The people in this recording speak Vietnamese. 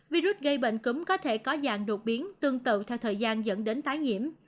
virus gây bệnh cúm có thể có dạng đột biến tương tự theo thời gian dẫn đến tái nhiễm